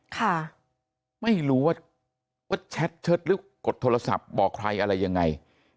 ค่ะไม่รู้ว่าว่าแชทเชิดหรือกดโทรศัพท์บอกใครอะไรยังไง